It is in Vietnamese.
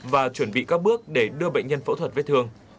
và chuẩn bị các bước để đưa bệnh nhân phẫu thuật vết thương